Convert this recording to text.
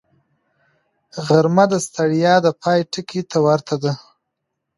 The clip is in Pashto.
غرمه د ستړیا د پای ټکي ته ورته ده